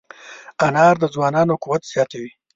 انار د ځوانانو قوت زیاتوي.